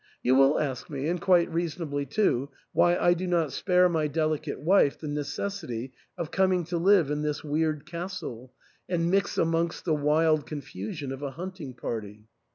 You will ask me, and quite reasonably too, why I do not spare my delicate wife the necessity of coming to live in this weird castle, and mix amongst the wild confusion of a hunting party.